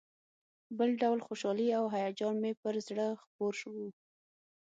بل ډول خوشالي او هیجان مې پر زړه خپور و.